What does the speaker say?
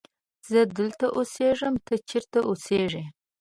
زه دلته اسیږم ته چیرت اوسیږی